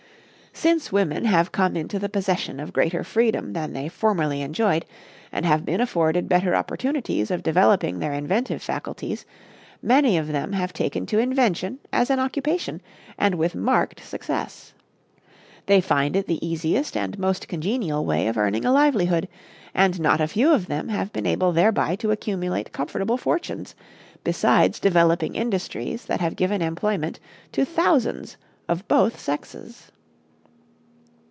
Since women have come into the possession of greater freedom than they formerly enjoyed, and have been afforded better opportunities of developing their inventive faculties, many of them have taken to invention as an occupation, and with marked success. They find it the easiest and most congenial way of earning a livelihood, and not a few of them have been able thereby to accumulate comfortable fortunes, besides developing industries that have given employment to thousands of both sexes.